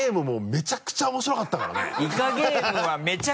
めちゃくちゃ面白かった！